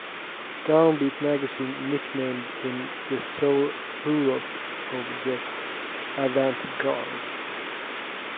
DownBeat Magazine nicknamed him The Sol Hurok of the avant garde.